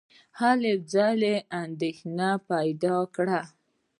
هلو ځلو اندېښنه پیدا کړه.